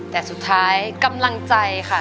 แต่สุดท้ายกำลังใจค่ะ